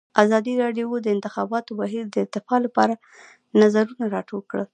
ازادي راډیو د د انتخاباتو بهیر د ارتقا لپاره نظرونه راټول کړي.